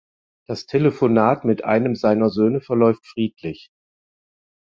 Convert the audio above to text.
Das Telefonat mit einem seiner Söhne verläuft friedlich.